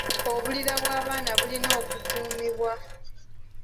Obulira bw'abaana bulina okukuumibwa.